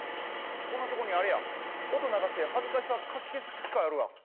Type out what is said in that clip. こんなとこにあれや音流して恥ずかしさかき消す機械あるわ。